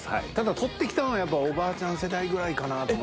燭とってきたのはやっぱりおばあちゃん世代ぐらいかなと。